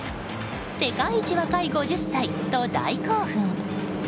世界一若い５０歳と大興奮。